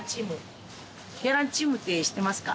ケランチムって知ってますか？